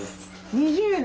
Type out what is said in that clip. ２０年！